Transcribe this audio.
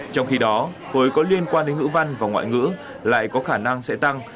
trong khi đó khối có liên quan đến ngữ văn và ngoại ngữ lại có khả năng sẽ tăng